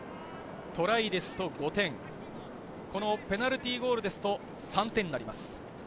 トライだと５点、ペナルティーゴールだと３点になります。